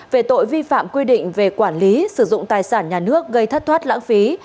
về tội vi phạm quy định về quản lý sử dụng tài sản nhà nước gây thất thoát lãng phí